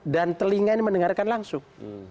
dan telinga ini mendengarkan langsung